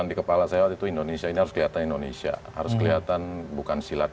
di kepala saya waktu itu indonesia ini harus kelihatan indonesia harus kelihatan bukan silat